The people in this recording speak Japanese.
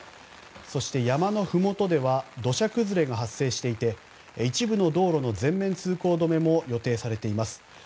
そして山のふもとでは土砂崩れが発生していて一部の道路の全面通行止めも予定されています。